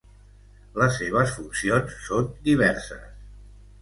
Les seves funcions són diverses.